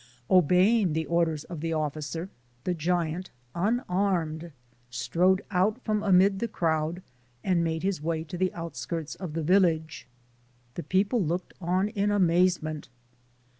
Obeying the orders of the officer, the giant, unarmed, strode out from amid the crowd and made his way to the outskirts of the village. The people looked on in amazement.